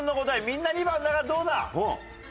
みんな２番の中どうだ？